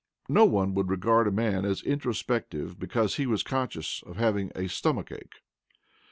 No one would regard a man as introspective because he was conscious of having a stomach ache.